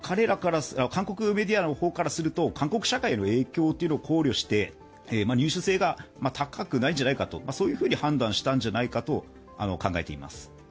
韓国メディアからすると韓国社会への影響を考慮して、民主性が高くないんじゃないかとそういうふうに判断したんじゃないかと考えています。